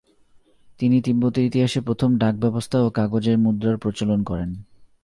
তিনি তিব্বতের ইতিহাসে প্রথম ডাকব্যবস্থা এবং কাগজের মুদ্রার প্রচলন করেন।